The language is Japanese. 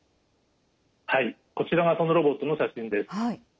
はいこちらがそのロボットの写真です。